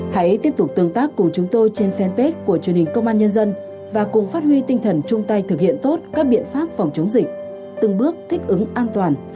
hãy tiếp tục tương tác cùng chúng tôi trên fanpage của truyền hình công an